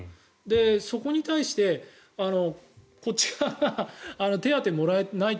そこに対して、こっち側が手当もらえないって